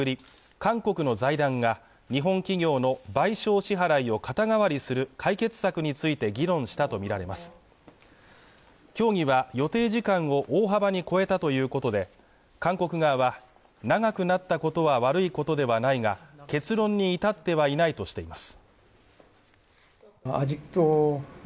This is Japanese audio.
韓国の財団が日本企業の賠償支払いを肩代わりする解決策について議論したと見られます協議は予定時間を大幅に超えたということで韓国側は長くなったことは悪いことではないが結論に至ってはいないとしています